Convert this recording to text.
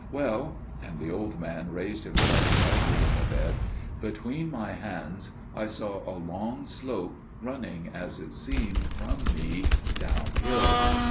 Well"––and the old man raised himself slightly in the bed––"between my hands I saw a long slope running as it seemed from me downhill.